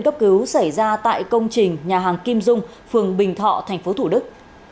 cấp cứu xảy ra tại công trình nhà hàng kim dung phường bình thọ thành phố thủ đức